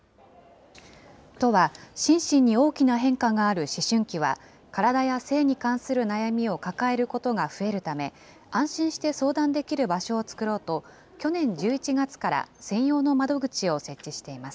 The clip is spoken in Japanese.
都は心身に大きな変化がある思春期は、体や性に関する悩みを抱えることが増えるため、安心して相談できる場所を作ろうと、去年１１月から専用の窓口を設置しています。